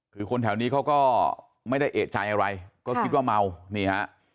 คือคนแถวนี้เขาก็ไม่ได้เอกใจอะไรก็คิดว่าเมานี่ฮะ